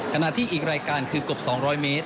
ขณะที่อีกรายการคือเกือบ๒๐๐เมตร